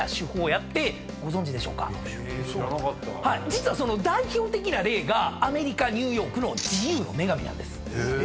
実はその代表的な例がアメリカニューヨークの自由の女神なんです。